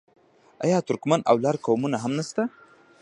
آیا ترکمن او لر قومونه هم نشته؟